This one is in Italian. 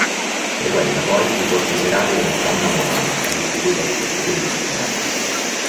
Frequenta poi i corsi serali di Alessandro Morani, all'Istituto Artistico Industriale.